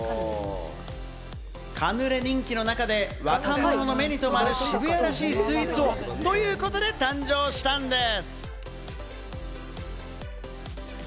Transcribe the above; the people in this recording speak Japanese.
カヌレ人気の中で、若者の目にとまる渋谷らしいスイーツをということで誕生したんです。